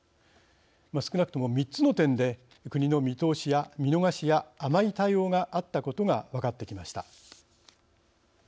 少なくとも３つの点で国の見逃しや甘い対応があったことが分かってきました。